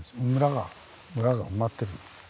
村が埋まってる。